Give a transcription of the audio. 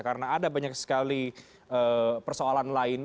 karena ada banyak sekali persoalan lain